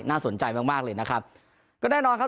สนใจมากมากเลยนะครับก็แน่นอนครับ